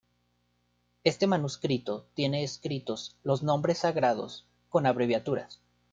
Este manuscrito tiene escritos los nombres sagrados con abreviaturas.